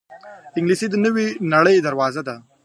انګلیسي د نوې نړۍ دروازه ده